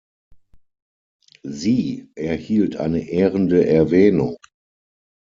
Sie erhielt eine Ehrende Erwähnung.